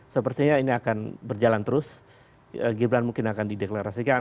sepertinya ini akan berjalan terus gibran mungkin akan dideklarasikan